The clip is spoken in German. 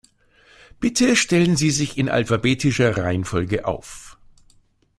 Bitte stellen Sie sich in alphabetischer Reihenfolge auf.